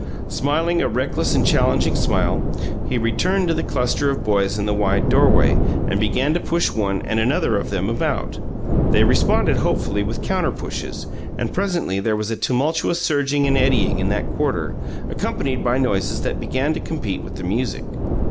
Smiling a reckless and challenging smile, he returned to the cluster of boys in the wide doorway and began to push one and another of them about. They responded hopefully with counter pushes, and presently there was a tumultuous surging and eddying in that quarter, accompanied by noises that began to compete with the music.